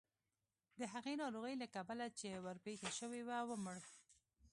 د هغې ناروغۍ له کبله چې ورپېښه شوې وه ومړ.